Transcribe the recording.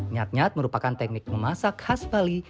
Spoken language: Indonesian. nyat nyat merupakan teknik memasak khas bali